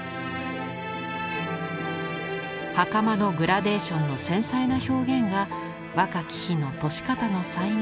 はかまのグラデーションの繊細な表現が若き日の年方の才能をうかがわせます。